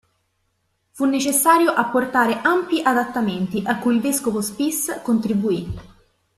Fu necessario apportare ampi adattamenti a cui il vescovo di Spiš contribuì.